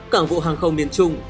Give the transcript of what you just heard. cảng vụ hàng không miền trung